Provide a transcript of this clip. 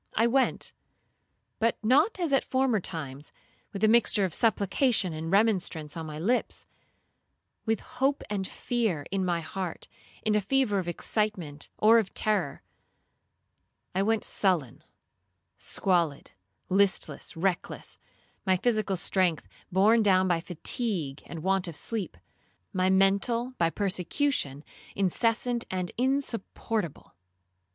I went, but not as at former times, with a mixture of supplication and remonstrance on my lips,—with hope and fear in my heart,—in a fever of excitement or of terror,—I went sullen, squalid, listless, reckless; my physical strength, borne down by fatigue and want of sleep; my mental, by persecution, incessant and insupportable.